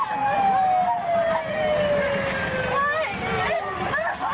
แม่แม่ก็ยาว